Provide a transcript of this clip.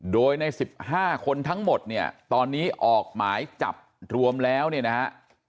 โดยใน๑๕คนทั้งหมดเนี่ยตอนนี้ออกหมายจับรวมแล้วเนี่ยนะฮะ